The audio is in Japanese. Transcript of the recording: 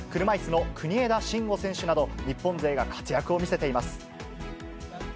車いすの国枝慎吾選手など、日本勢が活躍を見せています。